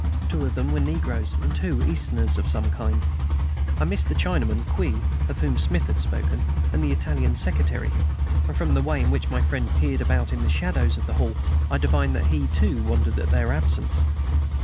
Two of them were negroes, and two Easterns of some kind. I missed the Chinaman, Kwee, of whom Smith had spoken, and the Italian secretary; and from the way in which my friend peered about the shadows of the hall I divined that he, too, wondered at their absence.